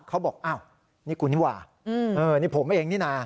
เขาบอกอ้าวนี่กูนี่หว่านี่ผมเองนี่นะ